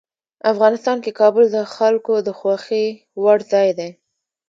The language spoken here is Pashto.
افغانستان کې کابل د خلکو د خوښې وړ ځای دی.